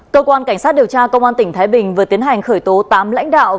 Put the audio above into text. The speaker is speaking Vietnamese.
cơ quan cảnh sát điều tra công an tỉnh thái bình vừa tiến hành khởi tố tám lãnh đạo